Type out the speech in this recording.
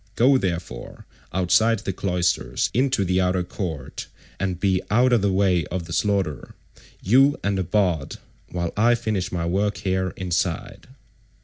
Go, therefore, outside the cloisters into the outer court, and be out of the way of the slaughter—you and the bard—while I finish my work here inside."